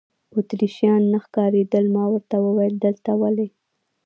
اتریشیان نه ښکارېدل، ما ورته وویل: دلته ولې.